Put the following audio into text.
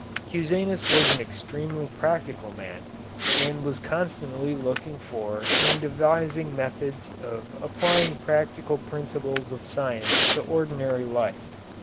Cusanus was an extremely practical man, and was constantly looking for and devising methods of applying practical principles of science to ordinary life.